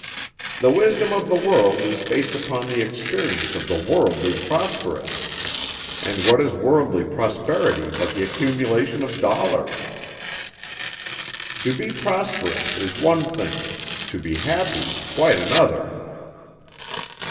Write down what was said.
"The wisdom of the world is based upon the experience of the worldly prosperous; and what is worldly prosperity but the accumulation of dollars? To be prosperous is one thing; to be happy, quite another."